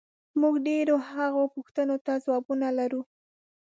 موږ ډېرو هغو پوښتنو ته ځوابونه لرو،